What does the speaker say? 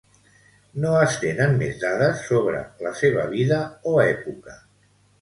No es tenen més dades sobre la seva vida o època.